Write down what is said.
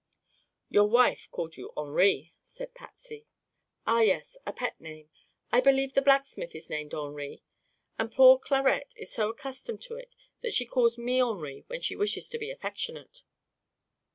"Your wife called you 'Henri,'" said Patsy. "Ah, yes; a pet name. I believe the blacksmith is named Henri, and poor Clarette is so accustomed to it that she calls me Henri when she wishes to be affectionate."